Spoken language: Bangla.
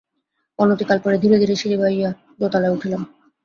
অনতিকাল পরে ধীরে ধীরে সিঁড়ি বাহিয়া দোতলায় উঠিলাম।